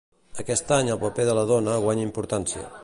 Aquest any el paper de la dona guanya importància.